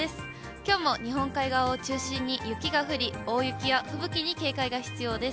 きょうも日本海側を中心に雪が降り、大雪や吹雪に警戒が必要です。